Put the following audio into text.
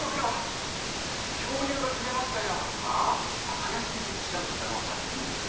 林について調べてたら分かったんです。